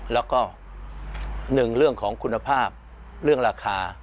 แล้วก็เรื่องของคุณภาพเรื่องราคา